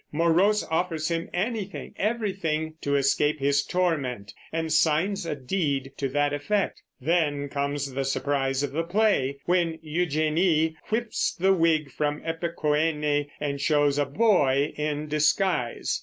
Morose offers him anything, everything, to escape his torment, and signs a deed to that effect. Then comes the surprise of the play when Eugenie whips the wig from Epicoene and shows a boy in disguise.